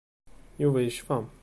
Yuba yecfa.